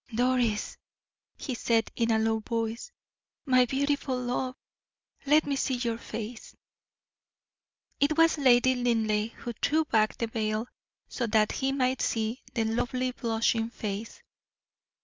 "Doris," he said, in a low voice; "my beautiful love, let me see your face." It was Lady Linleigh who threw back the veil, so that he might see the lovely, blushing face.